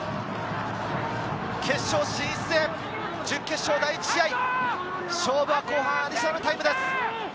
決勝進出へ、準決勝第１試合、勝負は後半アディショナルタイムです。